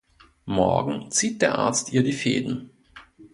Morgen zieht der Arzt ihr die Fäden.